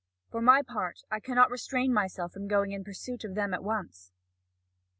For my part, I cannot restrain myself from going in pursuit of them at once.